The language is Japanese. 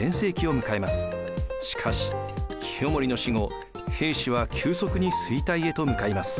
しかし清盛の死後平氏は急速に衰退へと向かいます。